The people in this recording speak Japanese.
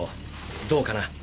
どうかな？